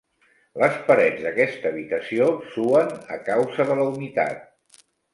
Les parets d'aquesta habitació suen a causa de la humitat.